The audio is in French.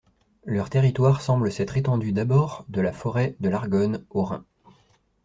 Leur territoire semble s'être étendu d'abord de la forêt de l'Argonne au Rhin.